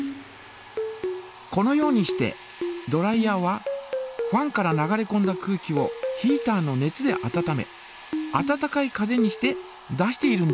このようにしてドライヤーはファンから流れこんだ空気をヒータの熱で温め温かい風にして出しているんです。